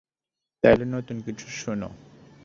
তাইলে নতুন কিছু শোনো।